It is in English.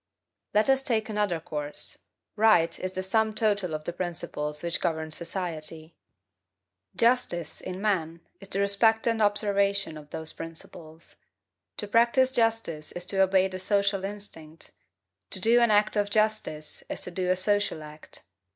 Let us take another course. RUGHT is the sum total of the principles which govern society. Justice, in man, is the respect and observation of those principles. To practise justice is to obey the social instinct; to do an act of justice is to do a social act.